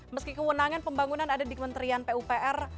meski kewenangan pembangunan ada di kementerian pupr